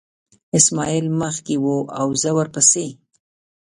اسماعیل مخکې و او زه ورپسې.